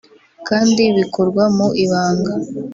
kandi bikorwa mu ibanga